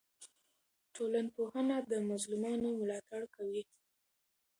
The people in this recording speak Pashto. ټولنپوهنه د مظلومانو ملاتړ کوي.